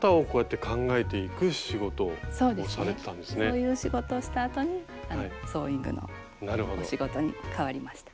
そういう仕事をしたあとにソーイングのお仕事に変わりました。